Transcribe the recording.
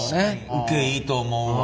受けいいと思うわ。